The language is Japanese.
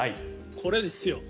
これですよ。